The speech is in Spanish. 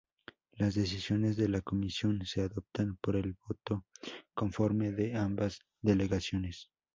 Las decisiones de la Comisión se adoptan por el voto conforme de ambas delegaciones.